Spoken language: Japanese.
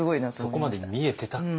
そこまで見えてたってことが。